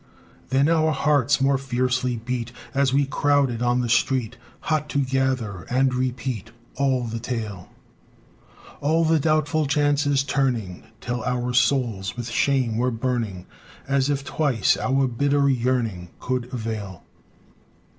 Then our hearts more fiercely beat, As we crowded on the street, Hot to gather and repeat All the tale; All the doubtful chances turning, Till our souls with shame were burning, As if twice our bitter yearning Could avail!